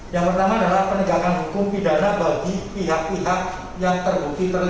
yang pertama adalah penegakan hukum pidana bagi pihak pihak yang terbukti terlibat